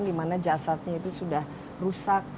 dimana jasadnya itu sudah rusak